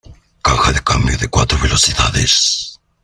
Caja de cambios de cuatro velocidades.